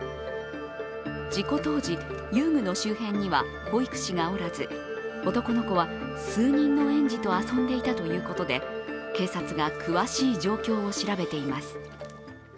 事故当時、遊具の周辺には保育士がおらず、男の子は、数人の園児と遊んでいたということで、警察が詳しい状況を調べています。